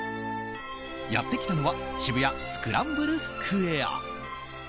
やってきたのは渋谷スクランブルスクエア。